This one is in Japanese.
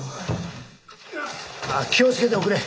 ああ気を付けておくれ。